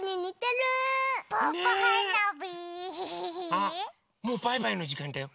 あっもうバイバイのじかんだよ！